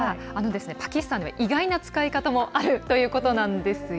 パキスタンでは意外な使い方もあるということなんですよ。